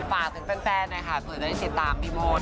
ฝากถึงแฟนนะคะฝืนได้ติดตามพี่โมท